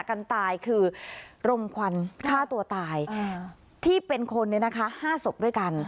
กันตายคือรมควันฆ่าตัวตายที่เป็นคนเนี่ยนะคะ๕ศพด้วยกัน